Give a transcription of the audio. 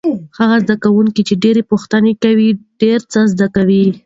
هغه زده کوونکی چې ډېرې پوښتنې کوي ډېر څه زده کوي.